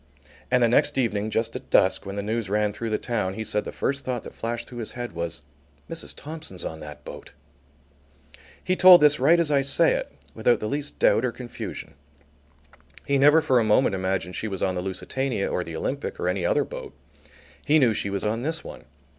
And the next evening just at dusk, when the news ran through the town, he said the first thought that flashed through his head was: "Mrs. Thompson's on that boat." He told this right as I say it without the least doubt or confusion. He never for a moment imagined she was on the Lusitania or the Olympic or any other boat. He knew she was on this one.